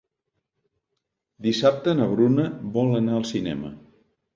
Dissabte na Bruna vol anar al cinema.